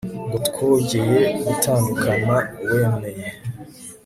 ngo twoye gutandukana wemeye